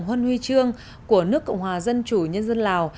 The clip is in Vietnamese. huân huy trương của nước cộng hòa dân chủ nhân dân lào